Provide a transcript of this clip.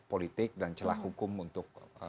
politik dan celah hukum untuk